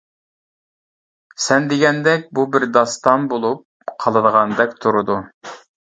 سەن دېگەندەك بۇ بىر داستان بولۇپ قالىدىغاندەك تۇرىدۇ.